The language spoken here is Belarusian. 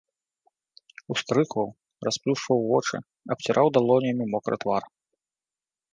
Ускрыкваў, расплюшчваў вочы, абціраў далонямі мокры твар.